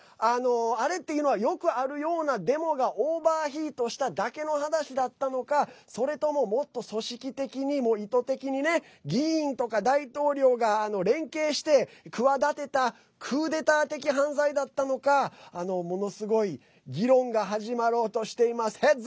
あれっていうのはよくあるようなデモがオーバーヒートしただけの話だったのかそれとももっと組織的に意図的に議員とか大統領が連携して企てたクーデター的犯罪だったのかものすごい議論が始まろうとしています。